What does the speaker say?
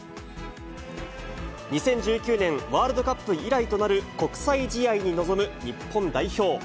２０１９年ワールドカップ以来となる国際試合に臨む日本代表。